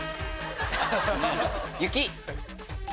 雪。